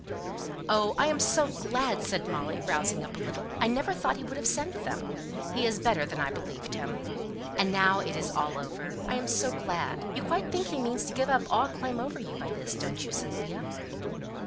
"Oh, I am so glad!" said Molly, rousing up a little. "I never thought he would have sent them. He is better than I believed him. And now it is all over. I am so glad! You quite think he means to give up all claim over you by this, don't you, Cynthia?"